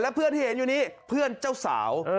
เพื่อนที่เห็นอยู่นี้เพื่อนเจ้าสาว